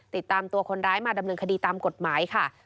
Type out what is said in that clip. ติดตามตัวคนร้ายมาดำเนินคดีตามกฎหมายค่ะ